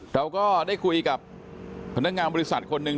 เราก็ได้คุยกับพนักงานบริษัทคนหนึ่ง